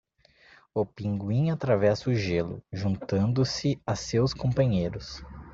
O pinguim atravessa o gelo, juntando-se a seus companheiros.